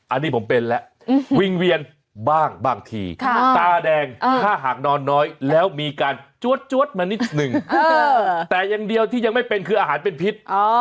อันนี้ผมเป็นแล้ววิ่งเวียนบ้างบางทีตาแดงถ้าหากนอนน้อยแล้วมีการจวดมานิดนึงแต่อย่างเดียวที่ยังไม่เป็นคืออาหารเป็นพิษ